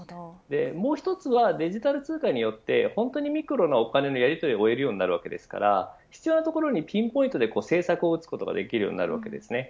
もう一つはデジタル通貨によって本当にミクロのお金のやりとりを追えますから必要なところにピンポイントで政策をうつことができるようになります。